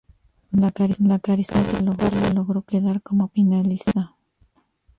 La carismática Karla logró quedar como Primera Finalista.